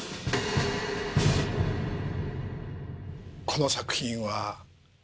この作品は。